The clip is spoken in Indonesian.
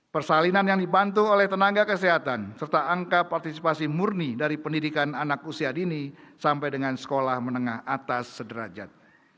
persalinan yang dibantu oleh tenaga kesehatan serta angka partisipasi murni dari pendidikan anak usia dini sampai dengan sekolah menengah atas sederajat